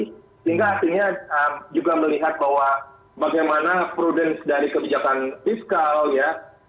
sehingga artinya juga melihat bahwa bagaimana prudence dari kebijakan fiskal ya